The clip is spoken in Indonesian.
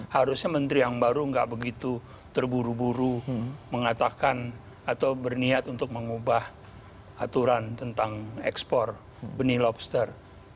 harusnya menteri yang baru nggak begitu terburu buru mengatakan atau berniat untuk mengubah aturan tentang ekspor benih lobster